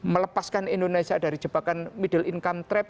melepaskan indonesia dari jebakan middle income traps